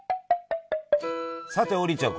さて王林ちゃん